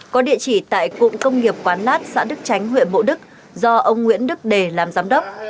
có địa chỉ tại cụng công nghiệp quán lát xã đức tránh huyện bộ đức do ông nguyễn đức đề làm giám đốc